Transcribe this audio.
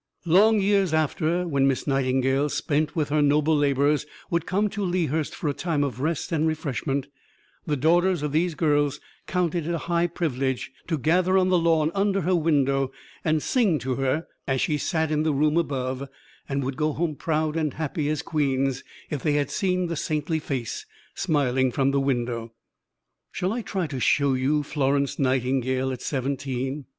Long years after, when Miss Nightingale, spent with her noble labors, would come to Lea Hurst for a time of rest and refreshment, the daughters of these girls counted it a high privilege to gather on the lawn under her window and sing to her as she sat in the room above; and would go home proud and happy as queens if they had seen the saintly face smiling from the window. Shall I try to show you Florence Nightingale at seventeen?